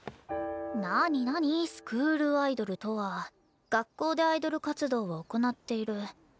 なになに「スクールアイドルとは学校でアイドル活動を行っている」